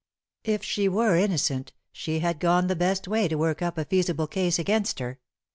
If she were innocent, she had gone the best way to work up a feasible case against her.